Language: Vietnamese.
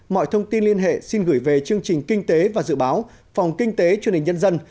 mọi thông tin liên hệ xin gửi về chương trình kinh tế và dự báo phòng kinh tế truyền hình nhân dân